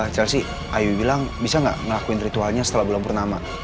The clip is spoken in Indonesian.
chelsea ayu bilang bisa nggak ngelakuin ritualnya setelah bulan purnama